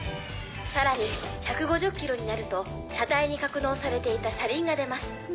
さらに１５０キロになると車体に格納されていた車輪が出ます。